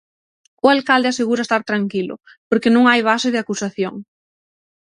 O alcalde asegura estar tranquilo, porque non hai base de acusación.